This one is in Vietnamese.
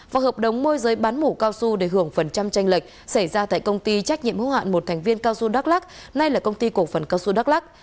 và hợp đồng môi giới bán mũ cao su để hưởng phần trăm tranh lệch xảy ra tại công ty trách nhiệm hữu hạn một thành viên cao su đắk lắc nay là công ty cổ phần cao xu đắk lắc